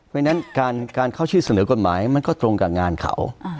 เพราะฉะนั้นการเข้าชื่อเสนอกฎหมายมันก็ตรงกับงานเขา